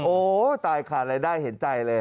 โอ้ตายขาดรายได้เห็นใจเลย